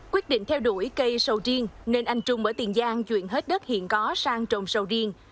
quyết định theo đuổi cây sầu riêng nên anh trung ở tiền giang chuyển hết đất hiện có sang trồng sầu riêng